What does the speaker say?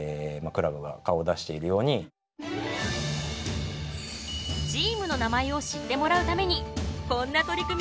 チームの名前を知ってもらうためにこんな取り組みもしているんだって。